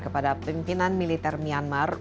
kepada pimpinan militer myanmar